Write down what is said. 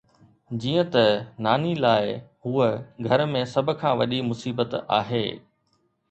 جيئن ته ناني لاء، هوء گهر ۾ سڀ کان وڏي مصيبت آهي.